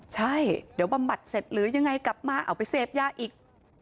ใช่เดี๋ยวบำบัดเสร็จหรือยังไงกลับมาเอาไปเสพยาอีก